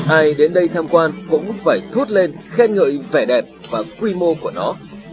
ai đến đây tham quan cũng phải thốt lên khen ngợi vẻ đẹp và quy mô của nó